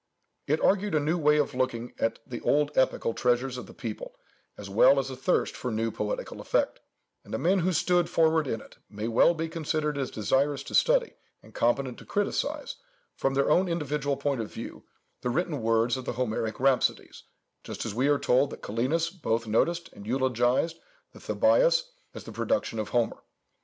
It argued a new way of looking at the old epical treasures of the people as well as a thirst for new poetical effect; and the men who stood forward in it, may well be considered as desirous to study, and competent to criticize, from their own individual point of view, the written words of the Homeric rhapsodies, just as we are told that Kallinus both noticed and eulogized the Thebaïs as the production of Homer.